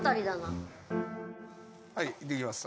はいできます